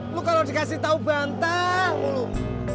lo kalau dikasih tahu bantah